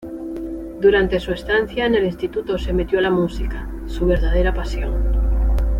Durante su estancia en el instituto se metió a la música, su verdadera pasión.